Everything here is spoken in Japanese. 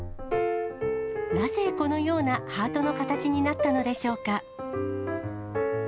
なぜこのようなハートの形になったのでしょうか。